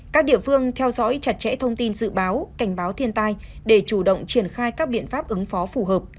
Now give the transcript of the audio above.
các địa phương theo dõi chặt chẽ thông tin dự báo cảnh báo thiên tai để chủ động triển khai các biện pháp ứng phó phù hợp